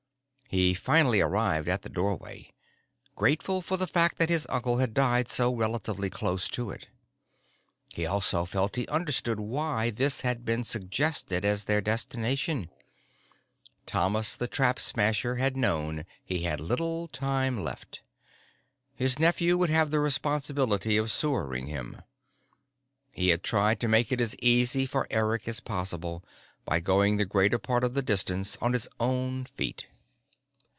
He finally arrived at the doorway, grateful for the fact that his uncle had died so relatively close to it. He also felt he understood why this had been suggested as their destination. Thomas the Trap Smasher had known he had little time left. His nephew would have the responsibility of sewering him. He had tried to make it as easy for Eric as possible by going the greater part of the distance on his own feet.